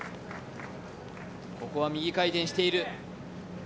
ここは右回転している。